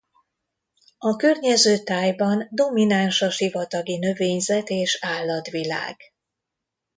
A környező tájban domináns a sivatagi növényzet és állatvilág.